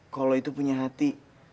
kalau itu punya hati